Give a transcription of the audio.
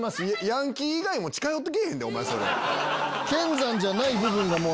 ヤンキー以外も近寄ってけぇへんでお前。